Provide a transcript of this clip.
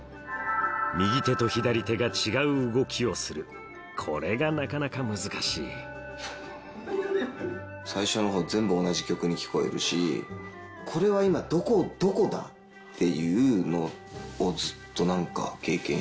右手と左手が違う動きをするこれがなかなか難しい最初の方は全部同じ曲に聞こえるしこれは今どこだ？っていうのをずっと経験してたんで。